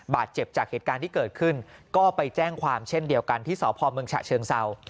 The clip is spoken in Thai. บาดเจ็บจากเหตุการณ์ที่เกิดขึ้นก็ไปแจ้งความเช่นเดียวกันที่สพเมืองฉะเชิงเศร้า